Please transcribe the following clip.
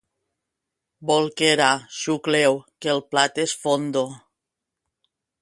Bolquera, xucleu que el plat és fondo...